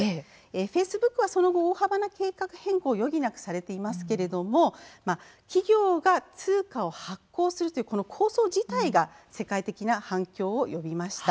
フェイスブックはその後大幅な計画変更を余儀なくされていますけれども企業が通貨を発行するという構想自体が世界的な反響を呼びました。